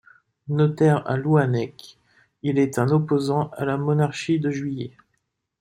Notaire à Louannec, il est un opposant à la Monarchie de Juillet.